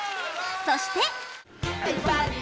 そして。